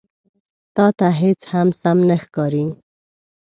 _تاته هېڅ هم سم نه ښکاري.